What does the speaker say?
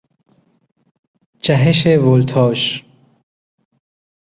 جهش ولتاژ